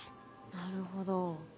なるほど。